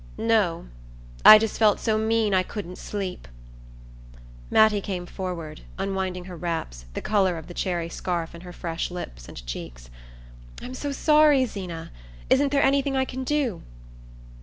"No. I just felt so mean I couldn't sleep." Mattie came forward, unwinding her wraps, the colour of the cherry scarf in her fresh lips and cheeks. "I'm so sorry, Zeena! Isn't there anything I can do?"